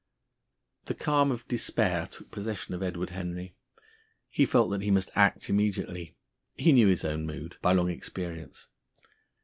The calm of despair took possession of Edward Henry. He felt that he must act immediately he knew his own mood, by long experience.